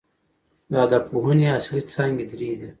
د ادبپوهني اصلي څانګي درې دي.